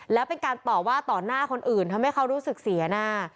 แล้วเป็นการต่อว่าต่อหน้าคนอื่นทำให้เขารู้สึกเสียหน้า